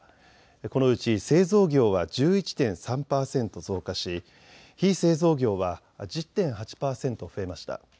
このうち製造業は１１．３％増加し、非製造業は１０．８％増えました。